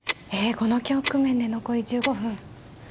この局面で残り１５分。